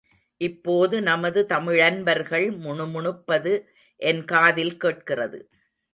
இப்போது நமது தமிழன்பர்கள் முணுமுணுப்பது என் காதில் கேட்கிறது.